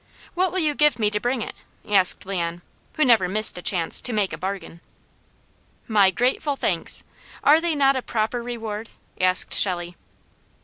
"What will you give me to bring it?" asked Leon, who never missed a chance to make a bargain. "My grateful thanks. Are they not a proper reward?" asked Shelley.